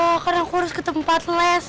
oh karena aku harus ke tempat les